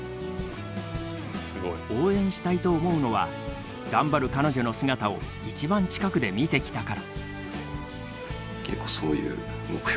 応援したいと思うのは頑張る彼女の姿を一番近くで見てきたから。